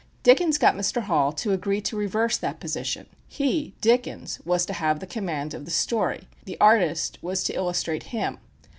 Dickens got Mr. Hall to agree to reverse that position. He, Dickens, was to have the command of the story, and the artist was to illustrate him.